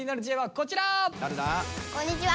こんにちは！